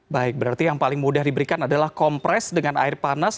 baik berarti yang paling mudah diberikan adalah kompres dengan air panas